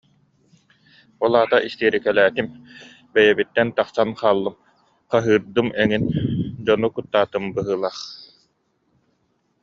Ол аата истиэрикэлээтим, бэйэбиттэн тахсан хааллым, хаһыырдым эҥин, дьону куттаатым быһыылаах